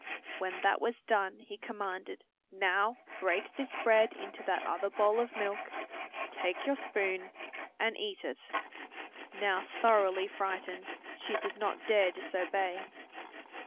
When that was done, he commanded, "Now break this bread into that other bowl of milk, take your spoon and eat it." Now thoroughly frightened, she did not dare disobey.